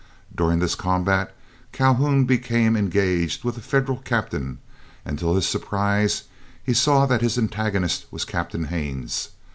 During this combat Calhoun became engaged with a Federal captain, and to his surprise he saw that his antagonist was Captain Haines.